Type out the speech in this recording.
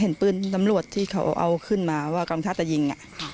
เห็นปืนตำรวจที่เขาเอาขึ้นมาว่ากองท่าจะยิง